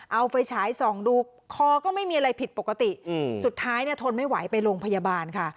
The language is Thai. เอาไฟฉายส่องดูคอก็ไม่มีอะไรผิดปกติสุดท้ายเนี่ยทนไม่ไหวไปโรงพยาบาลค่ะ